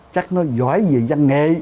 chắc nó giỏi gì giang nghệ